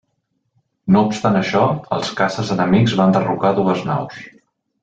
No obstant això, els caces enemics van derrocar dues naus.